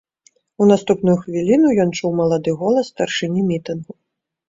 У наступную хвіліну ён чуў малады голас старшыні мітынгу.